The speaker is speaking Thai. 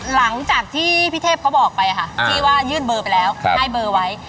หลังจากที่พี่เทพเขาบอกไปค่ะที่ว่ายื่นเบอร์ไปแล้วให้เบอร์ไว้